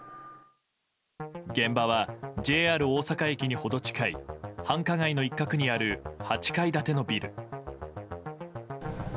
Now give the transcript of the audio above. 現場は、ＪＲ大阪駅に程近い繁華街の一角にある８階建てのビル。